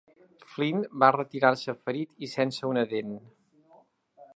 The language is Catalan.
Flyn va retirar-se ferit i sense una dent.